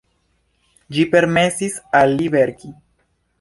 Ĝi permesis al li verki.